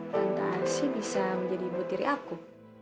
tante asyik bisa menjadi ibu diri aku